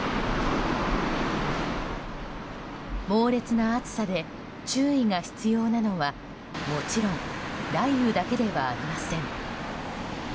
猛烈な暑さで注意が必要なのはもちろん雷雨だけではありません。